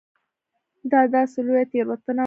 دا داسې لویه تېروتنه وه.